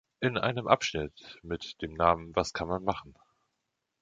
In einem Abschnitt mit dem Namen Was Kann Man Machen?